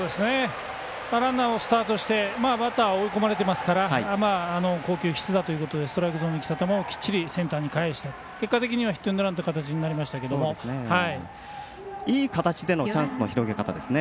ランナーをスタートしてバッター、追い込まれてますから好球必打ということでストライクゾーンにきた球をきっちりセンターに返して結果的にヒットエンドランといういい形でのチャンスの広げ方ですね。